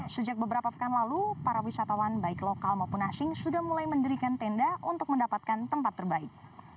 sejak beberapa pekan lalu para wisatawan baik lokal maupun asing sudah mulai mendirikan tenda untuk mendapatkan tempat terbaik